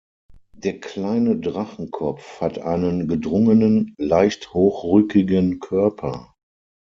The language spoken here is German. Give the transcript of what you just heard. Der Kleine Drachenkopf hat einen gedrungenen, leicht hochrückigen Körper.